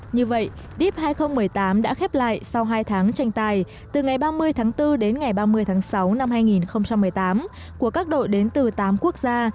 như vậy dip hai nghìn một mươi tám đã khép lại sau hai tháng tranh tài từ ngày ba mươi tháng bốn đến ngày ba mươi tháng sáu năm hai nghìn một mươi tám của các đội đến từ tám quốc gia